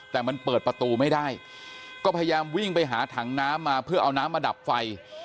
แต่มันเปิดประตูไม่ได้ก็พยายามวิ่งไปหาถังน้ำมาเพื่อเอาน้ำมาดับไฟ